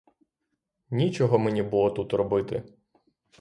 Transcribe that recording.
Нічого мені було тут робити.